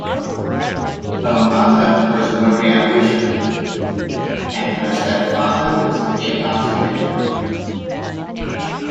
Her mother was Maria Wicher and her stepfather was Enos Wicher.